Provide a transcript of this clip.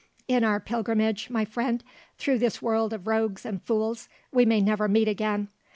In our pilgrimage, my friend, through this world of rogues and fools, we may never meet again.